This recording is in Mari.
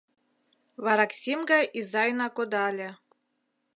Вараксим гай изайна кодале